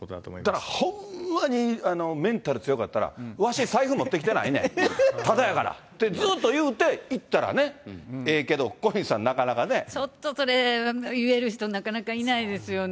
だからほんまにメンタル強かったら、わし、財布持ってきてないねん、ただやからって、ずっと言うていったらね、ええけど、小ちょっとそれ、言える人、なかなかいないですよね。